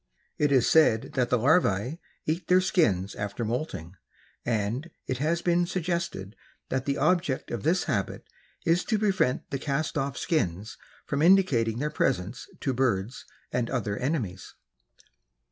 It is said that the larvae eat their skins after moulting and it has been suggested that the object of this habit is to prevent the cast off skins from indicating their presence to birds and other enemies.